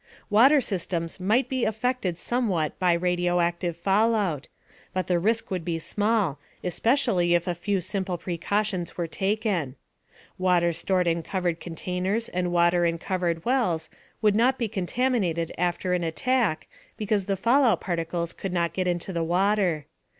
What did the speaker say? Water systems might be affected somewhat by radioactive fallout, but the risk would be small, especially if a few simple precautions were taken. Water stored in covered containers and water in covered wells would not be contaminated after an attack, because the fallout particles could not get into the water.